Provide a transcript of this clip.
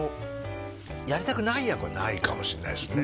やりたくない役はないかもしれないですね